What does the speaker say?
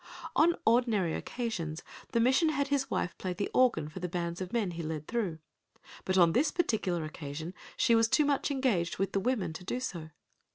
On ordinary occasions the missionary had his wife play the organ for the bands of men he led through, but on this particular occasion she was too much engaged with the women to do so.